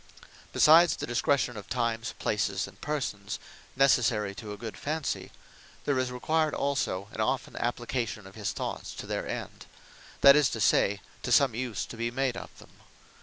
Besides the Discretion of times, places, and persons, necessary to a good Fancy, there is required also an often application of his thoughts to their End; that is to say, to some use to be made of them.